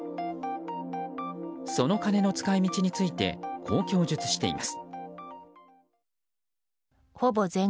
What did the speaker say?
その金の使い道についてこう供述しています。